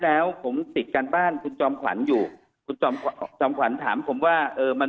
แล้วผมติดการบ้านคุณจอมขวัญอยู่คุณจอมขวัญถามผมว่าเออมัน